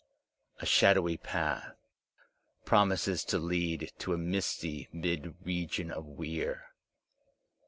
A shadowy path promises to lead to a misty mid region of Weir.